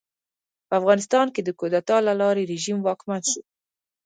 په افغانستان کې د کودتا له لارې رژیم واکمن شو.